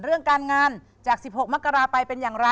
เรื่องการงานจาก๑๖มกราไปเป็นอย่างไร